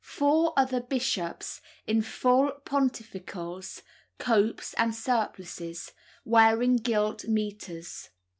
Four other bishops, in full pontificals (copes and surplices), wearing gilt mitres.